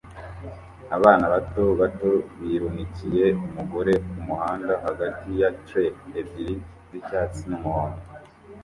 Abana bato bato bihunikiriye umugore kumuhanda hagati ya trolle ebyiri z'icyatsi n'umuhondo